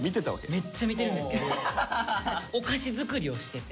めっちゃ見てるんですけどお菓子作りをしてて。